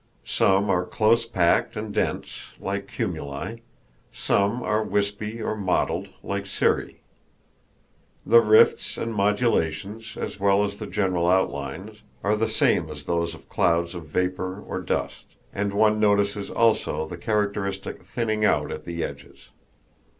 Some are close packed and dense, like cumuli; some are wispy or mottled, like cirri. The rifts and modulations, as well as the general outlines, are the same as those of clouds of vapor or dust, and one notices also the characteristic thinning out at the edges.